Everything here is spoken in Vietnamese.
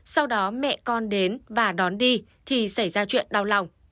sau đó mẹ con đến và đón đi thì xảy ra chuyện đau lòng